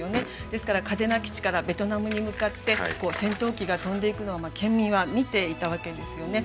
ですから嘉手納基地からベトナムに向かって戦闘機が飛んでいくのを県民は見ていたわけですよね。